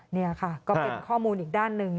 นี่ค่ะก็เป็นข้อมูลอีกด้านหนึ่ง